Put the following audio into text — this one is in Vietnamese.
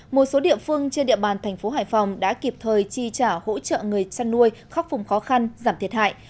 một số địa phương trên địa bàn thành phố hải phòng đã kịp thời chi trả hỗ trợ người chăn nuôi khắc phục khó khăn giảm thiệt hại